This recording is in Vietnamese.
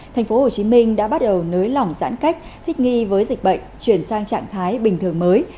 tp hcm đã bắt đầu nới lỏng giãn cách thích nghi với dịch bệnh chuyển sang trạng thái bình thường mới